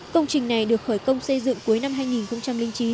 công trình này được khởi công xây dựng cuối năm hai nghìn chín